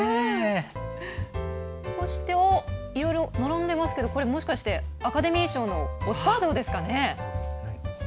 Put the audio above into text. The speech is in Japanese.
そして、いろいろ並んでいますがこれ、もしかしてアカデミー賞のオスカー像ですかね。